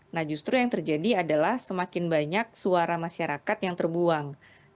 nah justru yang terjadi adalah semakin banyak suara masyarakat yang terbuang